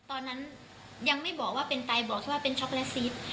ตอนนั้นยังไม่บอกว่าเป็นไตบอกแค่ว่าเป็นช็อกโกแลตซิต